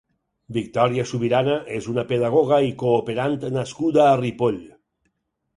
Victòria Subirana és una pedagoga i cooperant nascuda a Ripoll.